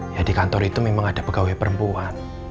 ya di kantor itu memang ada pegawai perempuan